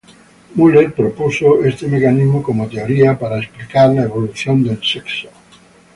Muller propuso este mecanismo como teoría para explicar la evolución del sexo.